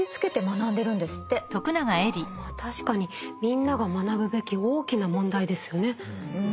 まあ確かにみんなが学ぶべき大きな問題ですよね。